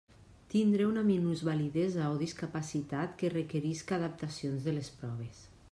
Tindre una minusvalidesa o discapacitat que requerisca adaptacions de les proves.